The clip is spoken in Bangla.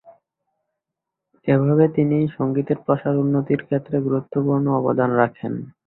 এভাবে তিনি সঙ্গীতের প্রসার ও উন্নতির ক্ষেত্রে গুরুত্বপূর্ণ অবদান রাখেন।